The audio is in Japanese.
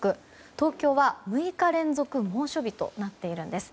東京は６日連続猛暑日となっているんです。